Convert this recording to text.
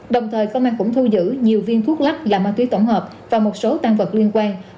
đồng thời công an cũng thu giữ nhiều viên thuốc lắc là ma túy tổng hợp và một số tăng vật liên quan